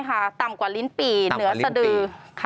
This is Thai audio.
ใช่ค่ะต่ำกว่าลิ้นปีเหนือสดือ